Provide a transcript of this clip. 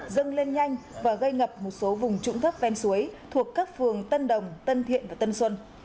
dâng lên nhanh và gây ngập một số vùng trũng thấp ven suối thuộc các phường tân đồng tân thiện và tân xuân